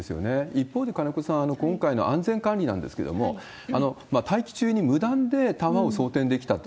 一方で、金子さん、今回の安全管理なんですけれども、待機中に無断で弾を装填できたと。